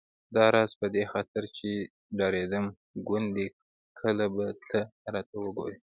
داراز په دې خاطر چې ډارېدم ګوندې کله به ته راته وګورې.